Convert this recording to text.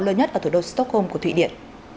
lớn nhất ở thủ đô stockholm của thụy điển